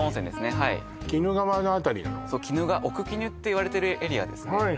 はいそう鬼怒川奥鬼怒っていわれてるエリアですね